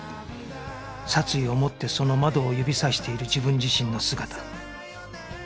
殺意を持ってその窓を指さしている自分自身の姿